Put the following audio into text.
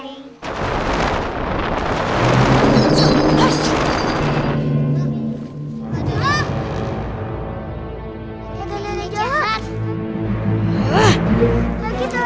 kami akan mencari raden pemalarasa